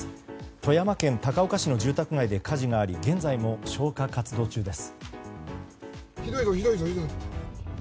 富山県高岡市の住宅街で火事があり現在も消火活動中です。